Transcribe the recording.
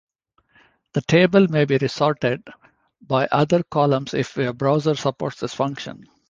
The table may be resorted by other columns if your browser supports this function.